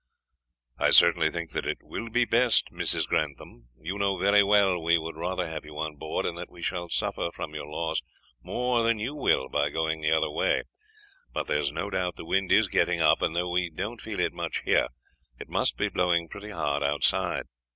"I certainly think that it will be best, Mrs. Grantham. You know very well we would rather have you on board, and that we shall suffer from your loss more than you will by going the other way; but there's no doubt the wind is getting up, and though we don't feel it much here, it must be blowing pretty hard outside.